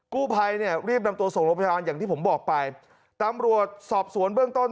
กู้ภัยเนี่ยรีบนำตัวส่งโรงพยาบาลอย่างที่ผมบอกไปตำรวจสอบสวนเบื้องต้น